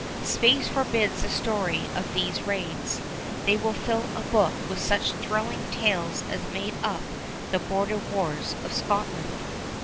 Space forbids the story of these raids. They would fill a book with such thrilling tales as make up the border wars of Scotland.